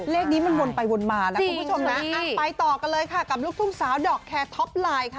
เลขนี้มันวนไปวนมานะคุณผู้ชมนะไปต่อกันเลยค่ะกับลูกทุ่งสาวดอกแคร์ท็อปไลน์ค่ะ